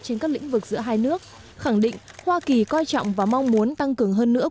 trên các lĩnh vực giữa hai nước khẳng định hoa kỳ coi trọng và mong muốn tăng cường hơn nữa